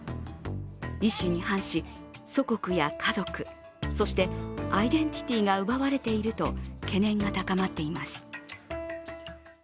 意思に反し、祖国や家族、そしてアイデンティティーが奪われていると懸念が高まっています。